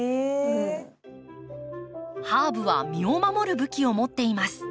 ハーブは身を守る武器を持っています。